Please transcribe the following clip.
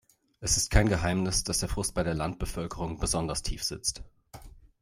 Es ist kein Geheimnis, dass der Frust bei der Landbevölkerung besonders tief sitzt.